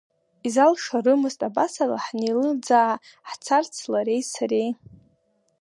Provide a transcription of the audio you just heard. Изалшарымызт абасала ҳнеилыӡаа ҳцарц лареи сареи.